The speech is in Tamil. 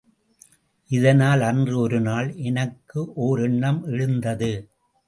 இதனால் அன்று ஒருநாள் எனக்கு ஓரெண்ணம் எழுந்தது.